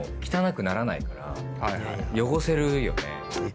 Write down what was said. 汚せるよね。